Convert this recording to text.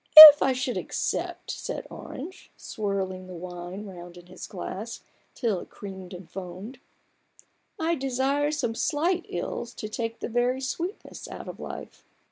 " If I should accept," said Orange, swirling the wine round in his glass till it creamed and foamed, " I'd desire some slight ills to take the very sweetness out of life."